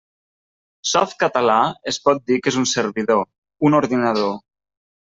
Softcatalà es pot dir que és un servidor, un ordinador.